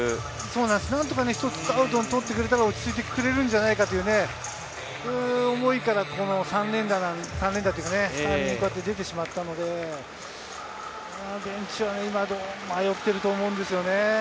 何とか一つアウトを取ってくれたら落ち着いてくれるんじゃないかっていう思いから、この３連打というか、３人出てしまったので、ベンチは今迷ってると思うんですよね。